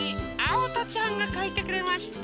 おとちゃんがかいてくれました。